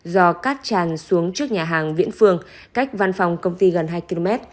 do cát tràn xuống trước nhà hàng viễn phương cách văn phòng công ty gần hai km